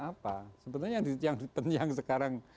apa sebenarnya yang sekarang